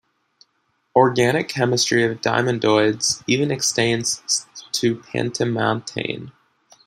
Organic chemistry of diamondoids even extends to "pentamantane".